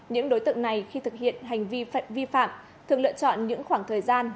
những đối tượng này khi thực hiện hành vi phận vi phạm thường lựa chọn những khoảng thời gian